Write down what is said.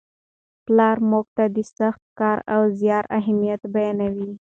پلار موږ ته د سخت کار او زیار اهمیت بیانوي.